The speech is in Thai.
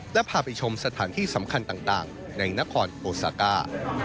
และพาไปชมสถานที่สำคัญต่างในนครโอซาก้า